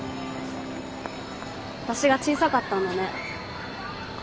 私が小さかったんだね。